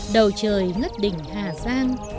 đầu trời ngất đỉnh hà giang